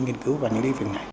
nghiên cứu vào những lĩnh vực này